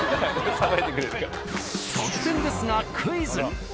突然ですがクイズ。